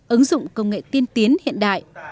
ứng dụng công nghệ tiên tiến hiện đại